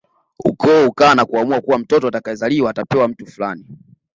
Ukoo hukaa na kuamua kuwa mtoto atakayezaliwa atapewa mtu fulani